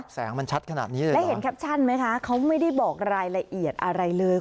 แล้วเห็นแคปชั่นไหมคะเขาไม่ได้บอกรายละเอียดอะไรเลย